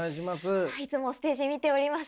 いつもステージ見ております。